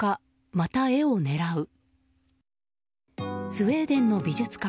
スウェーデンの美術館。